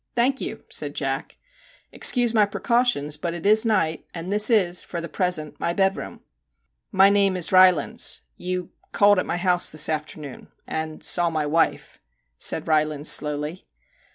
* Thank you! 'said Jack. ' Excuse my pre 58 MR. JACK HAMLIN'S MEDIATION cautions, but it is night, and this is, for the present, my bedroom. 1 ' My name is Rylands ; you called at my house this afternoon and saw my wife/ said Rylands slowly.